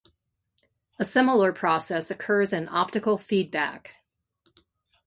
A similar process occurs in optical feedback.